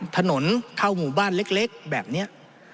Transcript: ถนนเข้าหมู่บ้านเล็กแบบนี้